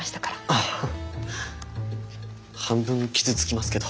ああ半分傷つきますけど。